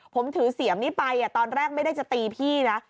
ผมถือเสียมนี้ไปตอนแรกไม่ได้จะตีพี่นะ